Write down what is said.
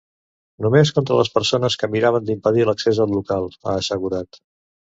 Només contra les persones que miraven d’impedir l’accés al local, ha assegurat.